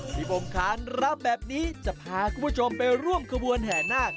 ที่ผมค้านรับแบบนี้จะพาคุณผู้ชมไปร่วมขบวนแห่นาค